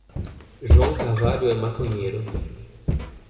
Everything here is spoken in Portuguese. João Carvalho é maconheiro